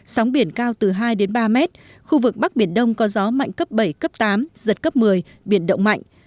sóng biển cao từ hai đến ba mét khu vực bắc biển đông có gió mạnh cấp bảy cấp tám giật cấp một mươi biển động mạnh